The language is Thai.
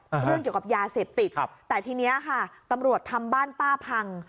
เรื่องเกี่ยวกับยาเสพติดครับแต่ทีเนี้ยค่ะตำรวจทำบ้านป้าพัง